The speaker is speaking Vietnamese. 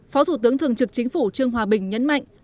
phó thủ tướng thường trực chính phủ trương hòa bình nhấn mạnh